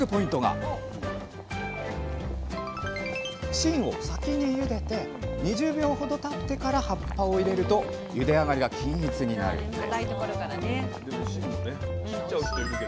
芯を先にゆでて２０秒ほどたってから葉っぱを入れるとゆであがりが均一になるんです